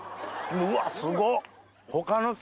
うわすごっ！